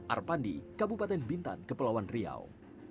arpandi kabupaten bintan kepulauan riau